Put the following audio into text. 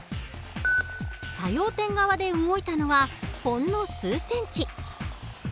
作用点側で動いたのはほんの数センチ。